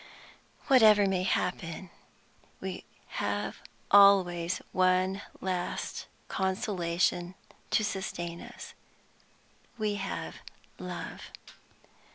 Whatever may happen, we have always one last consolation to sustain us we have love.